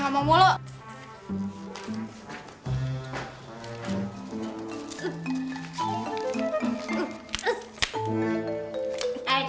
masuk masuk kerja